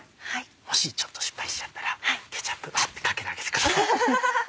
もしちょっと失敗しちゃったらケチャップバッてかけてあげてください。